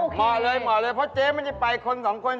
หมอเลยเพราะเจ๊ไม่ได้ไปคนสองคน